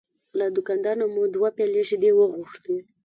له دوکاندار نه مو دوه پیالې شیدې وغوښتې.